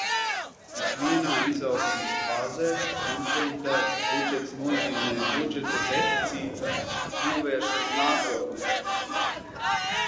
Ikvienā izaugsmes fāzē konsolidēts budžets nozīmē budžeta deficīta novēršanu nākotnē.